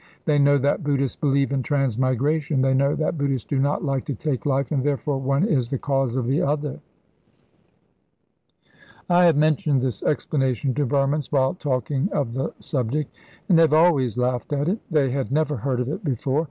They know that Buddhists believe in transmigration, they know that Buddhists do not like to take life, and therefore one is the cause of the other. I have mentioned this explanation to Burmans while talking of the subject, and they have always laughed at it. They had never heard of it before.